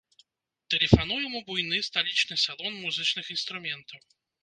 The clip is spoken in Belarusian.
Тэлефануем у буйны сталічны салон музычных інструментаў.